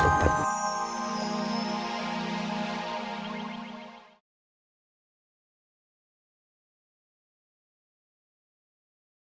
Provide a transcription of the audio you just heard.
llom bahagia ya